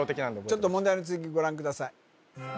ちょっと問題の続きご覧ください